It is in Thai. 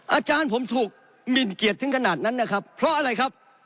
อาจารย์ผมถูกหมินเกียรติถึงขนาดนั้นนะครับเพราะอะไรครับ